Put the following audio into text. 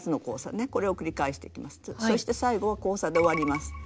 そして最後は交差で終わります。